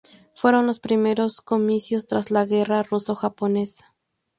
Fueron los primeros comicios tras la guerra ruso-japonesa.